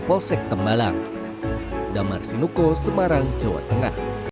polsek tembalang damar sinuko semarang jawa tengah